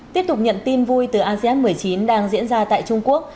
tiếp tục nhận tin vui từ asean một mươi chín đang diễn ra tại trung quốc